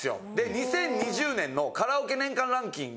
２０２０年のカラオケ年間ランキング